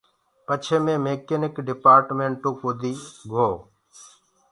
پڇي مي ميڪينيڪل ڊپآرٽمنٽو ڪودي گو۔